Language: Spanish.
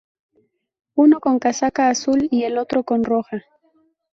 Uno con casaca azul y el otro con roja.